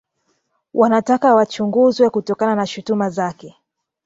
Wanataka wachunguzwe kutokana na shutuma zake